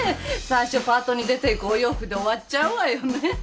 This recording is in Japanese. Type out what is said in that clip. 最初パートに出ていくお洋服で終わっちゃうわよね。